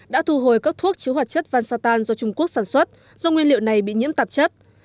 đã thu hồi các thuốc chứa hoạt chất văn sa tan do trung quốc sản xuất do nguyên liệu này bị nhiễm tạp chất